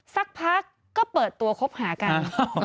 สักพักก็เปิดตัวคบหากัน